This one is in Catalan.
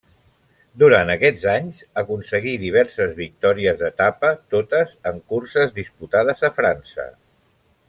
Durant aquests anys aconseguí diverses victòries d'etapa, totes en curses disputades a França.